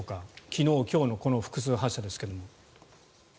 昨日、今日のこの複数発射ですが。